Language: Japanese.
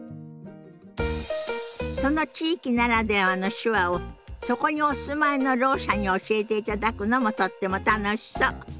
その地域ならではの手話をそこにお住まいのろう者に教えていただくのもとっても楽しそう。